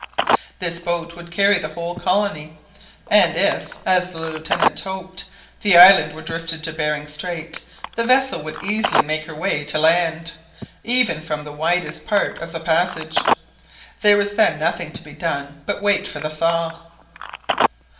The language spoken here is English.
This boat would carry the whole colony, and if, as the Lieutenant hoped, the island were drifted to Behring Strait, the vessel would easily make her way to land, even from the widest part of the passage. There was then nothing to be done but wait for the thaw.